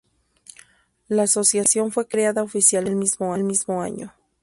La asociación fue creada oficialmente el mismo año.